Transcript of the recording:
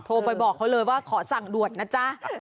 โทรไปบอกเขาเลยว่าขอสั่งด่วนนะจ๊ะ